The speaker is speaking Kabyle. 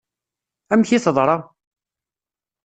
Amek i teḍṛa?